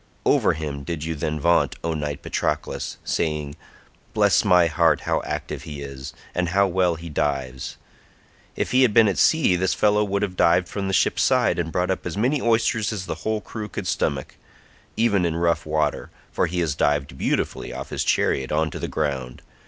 Over him did you then vaunt, O knight Patroclus, saying, "Bless my heart, how active he is, and how well he dives. If we had been at sea this fellow would have dived from the ship's side and brought up as many oysters as the whole crew could stomach, even in rough water, for he has dived beautifully off his chariot on to the ground.